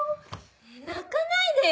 泣かないでよ！